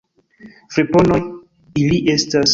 Friponoj ili estas!